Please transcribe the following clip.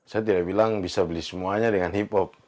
saya tidak bilang bisa beli semuanya dengan hip hop